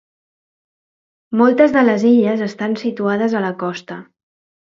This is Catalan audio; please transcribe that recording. Moltes de les illes estan situades a la costa.